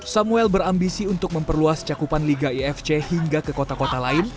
samuel berambisi untuk memperluas cakupan liga ifc hingga ke kota kota lain